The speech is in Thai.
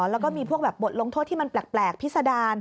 แล้วก็มีพวกแบบบทลงโทษที่มันแปลกพิษดาร